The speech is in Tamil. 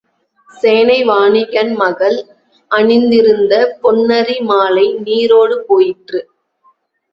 சேனை வாணிகன் மகள் அணிந்திருந்த பொன்னரி மாலை நீரோடு போயிற்று.